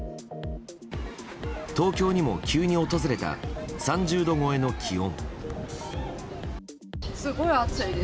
東京にも急に訪れた３０度超えの気温。